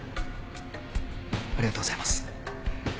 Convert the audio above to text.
ありがとうございます。